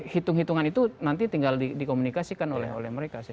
hitung hitungan itu nanti tinggal dikomunikasikan oleh mereka